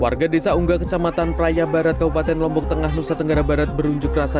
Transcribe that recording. warga desa unggah kecamatan praya barat kabupaten lombok tengah nusa tenggara barat berunjuk kerasa